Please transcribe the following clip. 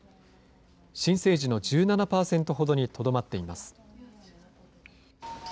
新生児の１７％ほどにとどまっています。